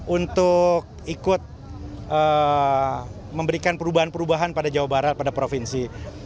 untuk ikut memberikan perubahan perubahan pada jawa barat pada provinsi